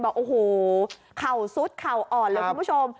บอกโอ้โหเข่าซุดเข่าอ่อนเลยคุณผู้ชม